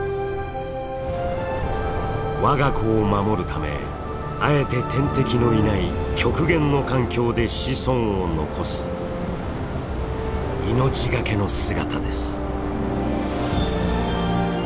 我が子を守るためあえて天敵のいない極限の環境で子孫を残す命がけの姿です。